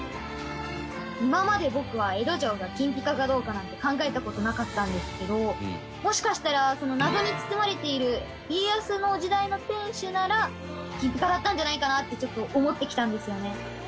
今まで僕は江戸城が金ピカかどうかなんて考えた事なかったんですけどもしかしたら謎に包まれている家康の時代の天守なら金ピカだったんじゃないかなってちょっと思ってきたんですよね。